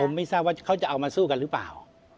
ผมไม่ทราบว่าเขาจะเอามาสู้กันหรือเปล่า